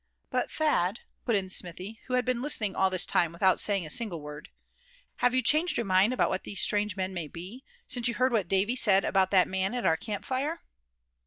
"But Thad," put in Smithy, who had been listening all this time without saying a single word, "have you changed your mind about what these strange men may be, since you heard what Davy said about that man at our camp fire?"